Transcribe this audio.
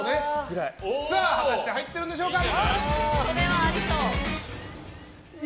果たして入ってるんでしょうか。